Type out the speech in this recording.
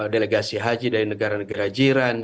delegasi haji dari negara negara jiran